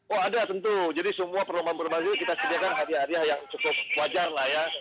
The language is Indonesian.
oh ada tentu jadi semua perlombaan perlombaan itu kita sediakan hadiah hadiah yang cukup wajar lah ya